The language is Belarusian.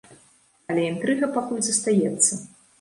Але інтрыга пакуль застаецца.